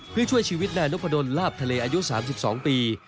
เพื่อช่วยชีวิตนายนพดลลาบทะเลอายุ๓๒ปี